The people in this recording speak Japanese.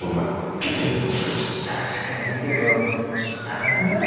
確かにいいけどちょっと高くない？